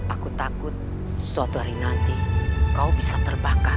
aku takut suatu hari nanti kau bisa terbakar